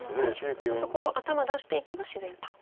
そこを頭出していけば自然と。